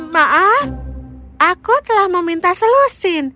maaf aku telah meminta selusin